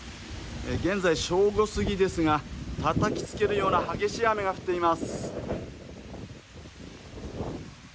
現在、正午過ぎですが、たたきつけるような激しい雨が降っています。